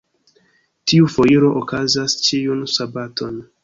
Tiu foiro okazas ĉiun sabaton.